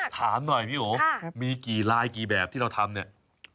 ถามหน่อยพี่โอมีกี่ลายกี่แบบที่เราทำเนี่ย